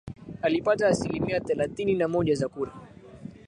Alipata asilimia thelathini na moja za kura